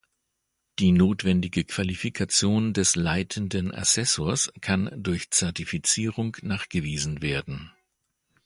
Die notwendige Qualifikation des leitenden Assessors kann durch Zertifizierung nachgewiesen werden.